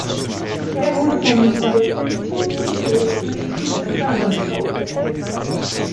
Er wurde vom Volksgerichtshof zum Tod durch den Strang verurteilt.